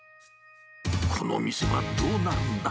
この店はどうなるんだ。